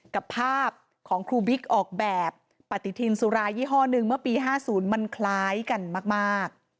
กับภาพของครูบิ๊กออกแบบปฏิทินสุรายี่ห้อหนึ่งเมื่อปี๕๐มันคล้ายกันมาก